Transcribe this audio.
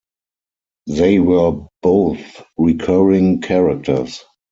They were both recurring characters.